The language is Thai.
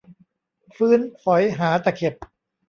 ฟื้นฝอยหาตะเข็บ